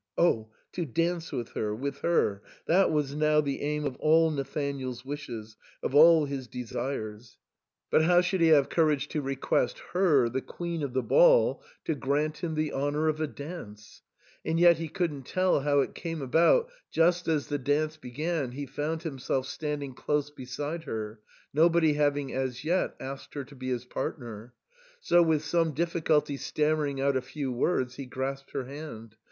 Oh! to dance with her — ^with her— that was now the aim of all Natbanael's wishes, of all his desires. But 202 THE SAND'MAN. how should he have courage to request her, the queen of the ball, to grant him the honour of a dance ? And yet he couldn't tell how it came about, just as the dance began, he found himself standing close beside her, nobody having as yet asked her to be his partner ; so, with some difficulty stammering out a few words, he grasped her hand.